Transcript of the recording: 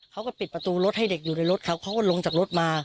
เขาก็ปิดประตูรถให้เด็กอยู่ในรถเขาเขาก็ลงจากรถมา